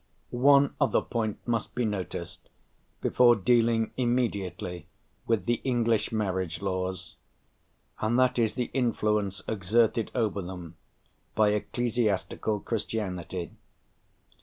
One other point must be noticed, before dealing immediately with the English marriage laws, and that is the influence exerted over them by ecclesiastical Christianity.